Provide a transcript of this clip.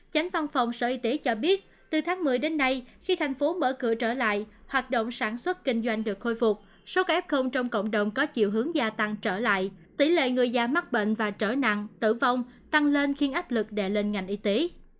chánh văn phòng sở y tế cho biết từ tháng một mươi đến nay khi thành phố mở cửa trở lại hoạt động sản xuất kinh doanh được khôi phục số các f trong cộng đồng có chiều hướng gia tăng trở lại tỷ lệ người già mắc bệnh và trở nặng tử vong tăng lên khiến áp lực đè lên ngành y tế